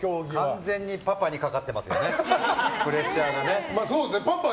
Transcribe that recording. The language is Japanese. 完全にパパにかかってますねプレッシャーが。